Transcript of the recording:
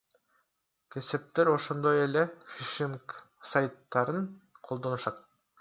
Кесептер ошондой эле, фишинг сайттарын колдонушат.